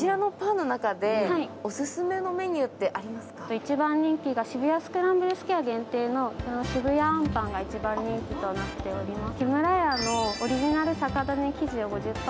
一番人気が渋谷スクランブルスクエア限定の渋谷あんぱんが一番人気となっております。